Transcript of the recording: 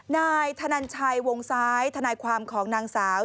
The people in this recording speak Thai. นายธนันชัยวงซ้ายทนายความของนางสาว